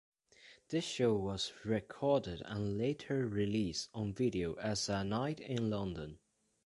This show was recorded and later released on video as "A Night in London".